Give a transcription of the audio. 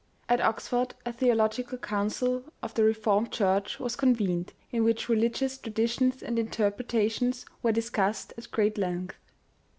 At Oxford a theological council of the Re formed church was convened, in 'which religious traditions and interpretations were discussed at great length.